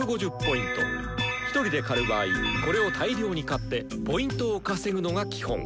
１人で狩る場合「これを大量に狩ってＰを稼ぐ」のが基本。